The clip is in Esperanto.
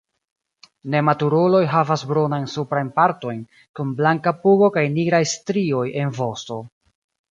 Nematuruloj havas brunajn suprajn partojn, kun blanka pugo kaj nigraj strioj en vosto.